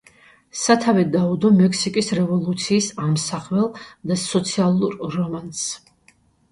სათავე დაუდო მექსიკის რევოლუციის ამსახველ და სოციალურ რომანს.